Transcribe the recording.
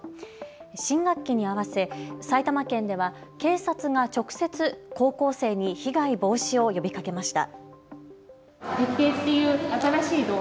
新学期に合わせ埼玉県では警察が直接、高校生に被害防止を呼びかけました。